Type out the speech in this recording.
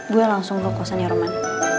gue langsung ke kosan ya roman